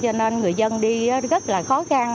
cho nên người dân đi rất là khó khăn